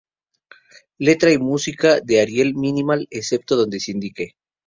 Letra y música de Ariel Minimal, excepto donde se indique